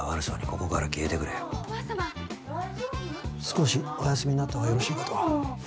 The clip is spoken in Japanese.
少しお休みになった方がよろしいかと。